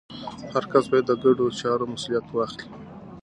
هر کس باید د ګډو چارو مسوولیت واخلي.